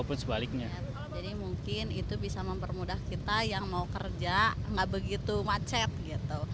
jadi mungkin itu bisa mempermudah kita yang mau kerja nggak begitu macet gitu